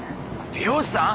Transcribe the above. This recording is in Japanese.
美容師さん？